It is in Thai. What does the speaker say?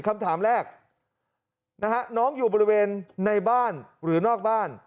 คำถามแรกนะฮะน้องอยู่บริเวณในบ้านหรือนอกบ้าน